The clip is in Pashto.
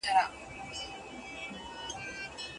آیا علم تر شتمنۍ لوړ مقام لري؟